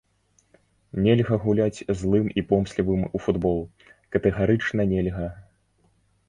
Нельга гуляць злым і помслівым у футбол, катэгарычна нельга!